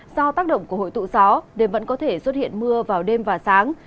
do tác động của hội tụ gió đêm vẫn có thể xuất hiện mưa vào đêm và sáng